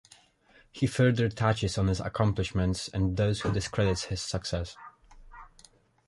He further touches on his accomplishments and those who discredits his success.